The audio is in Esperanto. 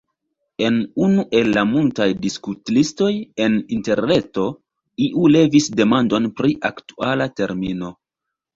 En unu el la multaj diskutlistoj en interreto iu levis demandon pri aktuala termino.